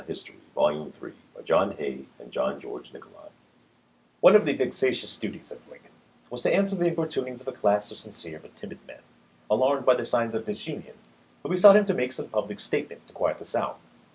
CHAPTER XVIII QUESTIONS AND ANSWERS ONE of the vexatious duties of Lincoln was to answer the importunings of a class of sincere, but timid men, alarmed by the signs of disunion, who besought him to make some public statement to quiet the South.